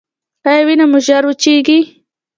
ایا وینه مو ژر وچیږي؟